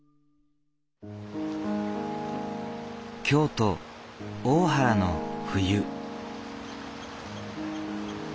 京都・大原の冬。